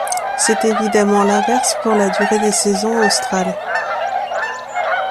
C'est évidemment l'inverse pour la durée des saisons australes.